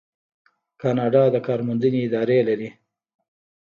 کاناډا د کار موندنې ادارې لري.